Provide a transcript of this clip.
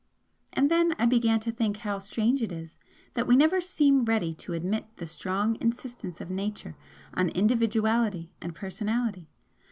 And then I began to think how strange it is that we never seem ready to admit the strong insistence of Nature on individuality and personality.